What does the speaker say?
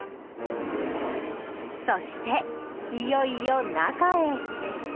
そして、いよいよ中へ。